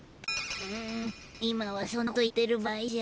うん今はそんなこと言ってる場合じゃ。